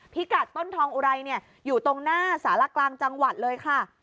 พิกัดต้นทองอุไรอยู่ตรงหน้าสารกลางจังหวัดเลยค่ะ